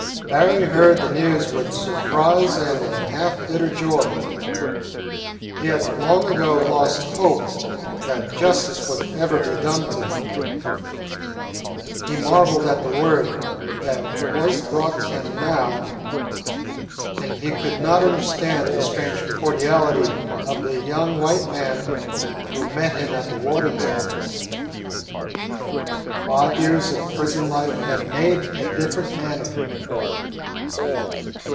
Berry heard the news with surprise and a half bitter joy. He had long ago lost hope that justice would ever be done to him. He marvelled at the word that was brought to him now, and he could not understand the strange cordiality of the young white man who met him at the warden's office. Five years of prison life had made a different man of him.